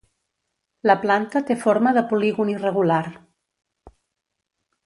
La planta té forma de polígon irregular.